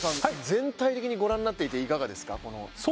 全体的にご覧になっていかがですか？